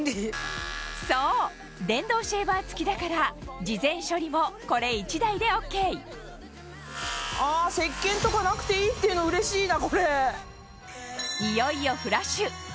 そう電動シェーバー付きだから事前処理もこれ１台でＯＫ石けんとかなくていいっていうのうれしいな。